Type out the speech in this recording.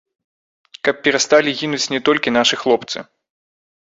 Каб перасталі гінуць не толькі нашы хлопцы.